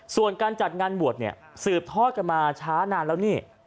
ส่วนการจัดงานบวชเนี่ยสืบทอดกันมาช้านานแล้วนี่